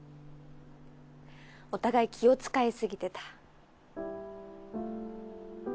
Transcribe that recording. お互い気を遣いすぎてた。